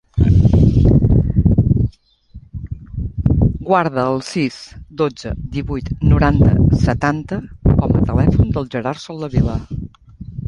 Guarda el sis, dotze, divuit, noranta, setanta com a telèfon del Gerard Soldevila.